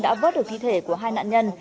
đã vớt được thi thể của hai nạn nhân